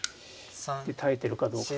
で耐えてるかどうか。